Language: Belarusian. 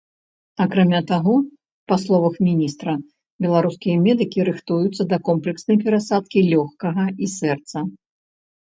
Акрамя таго, па словах міністра, беларускія медыкі рыхтуюцца да комплекснай перасадкі лёгкага і сэрца.